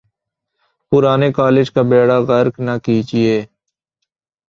پرانے کالج کا بیڑہ غرق نہ کیجئے۔